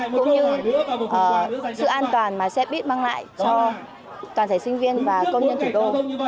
cũng như sự an toàn mà xe buýt mang lại cho toàn thể sinh viên và công nhân thủ đô